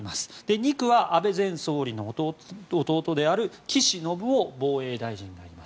２区は安倍前総理の弟である岸信夫防衛大臣がいます。